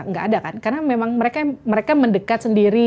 nggak ada kan karena memang mereka mendekat sendiri